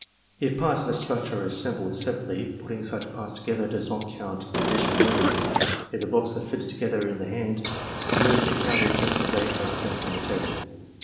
If parts of a structure are assembled separately, putting such parts together does not count an addi tional move. If the blocks are fitted together in the hand, the moves are counted just as they are if assembled on the table.